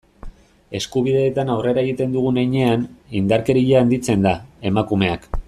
Eskubideetan aurrera egiten dugun heinean, indarkeria handitzen da, emakumeak.